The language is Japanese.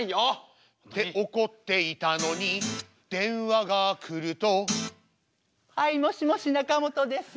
って怒っていたのに電話がくるとはいもしもしなかもとです。